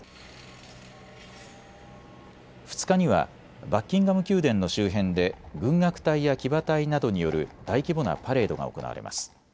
２日にはバッキンガム宮殿の周辺で軍楽隊や騎馬隊などによる大規模なパレードが行われます。